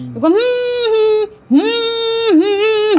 หนูก็ฮือฮือฮือฮือฮือ